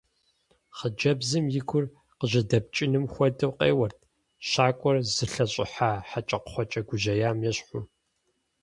Хъыджэбзым и гур къыжьэдэпкӀыным хуэдэу къеуэрт, щакӀуэр зылъэщӀыхьа хьэкӀэкхъуэкӀэ гужьеям ещхьу.